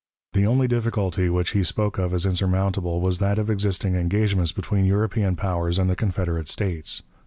The only difficulty which he spoke of as insurmountable was that of existing engagements between European powers and the Confederate States.